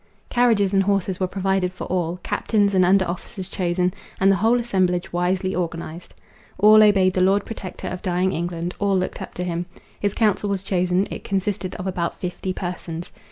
Carriages and horses were provided for all; captains and under officers chosen, and the whole assemblage wisely organized. All obeyed the Lord Protector of dying England; all looked up to him. His council was chosen, it consisted of about fifty persons.